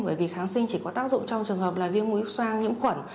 bởi vì kháng sinh chỉ có tác dụng trong trường hợp viêm mũi xoang nhiễm khuẩn